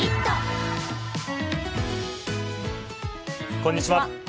こんにちは。